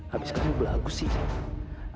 habis kamu belah aku sih